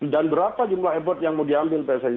dan berapa jumlah e board yang mau diambil pssi